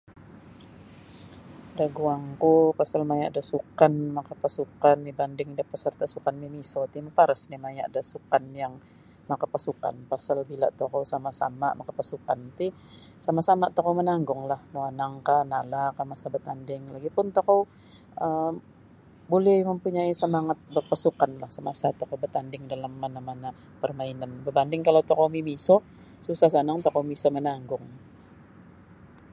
Da guangku pasal maya' da sukan makapasukan mibanding da peserta' sukan mimiso ti maparas nio maya' da sukan yang makapasukan pasal bila tokou sama'-sama' makapasukan ti sama'-sama tokou mananggunglah nuawangkah nalahkah masa batanding lagi' pun tokou um buli mempunyai samangat berpasukanlah samasa tokou batanding dalam mana-mana' permainan babanding kalau tokou mimiso susah sanang tokou miso mananggung.